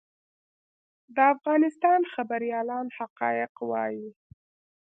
د افغانستان خبریالان حقایق وايي